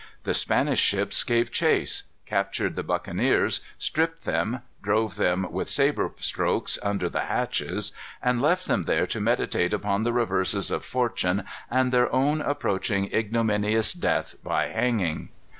The Spanish ships gave chase; captured the buccaneers; stripped them; drove them with sabre strokes under the hatches, and left them there to meditate upon the reverses of fortune and their own approaching ignominious death by hanging.